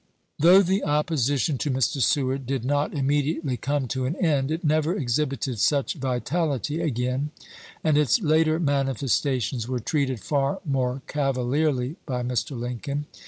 Though the opposition to Mr. Seward did not immediately come to an end,^ it never exhibited such vitality again, and its later manifestations were treated far more cavalierly by Mr. Lincoln.